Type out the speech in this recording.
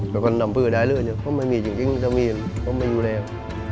ก็ก็นำพื้นหายเรื่องเขาไม่มีจริงเขาไม่อยู่แล้ว